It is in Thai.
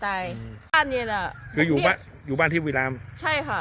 ใช่บ้านเนี้ยน่ะคืออยู่บ้านอยู่บ้านที่บุรีรามใช่ค่ะ